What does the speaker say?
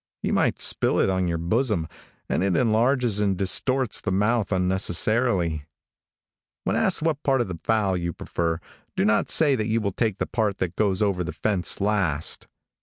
You might spill it on your bosom, and it enlarges and distorts the mouth unnecessarily. When asked what part of the fowl you prefer, do not say you will take the part that goes over the fence last.